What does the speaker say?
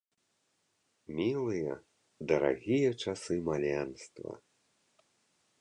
Мілыя, дарагія часы маленства!